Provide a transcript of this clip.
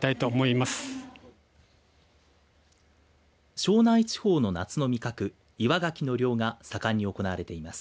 庄内地方の夏の味覚岩ガキの漁が盛んに行われています。